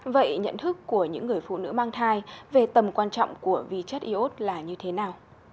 vậy nhận thức của những người phụ nữ mang thai về tầm quan trọng của vi chất iốt là như thế nào